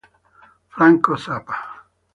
Franco Zappa